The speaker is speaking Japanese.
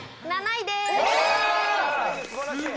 第７位です。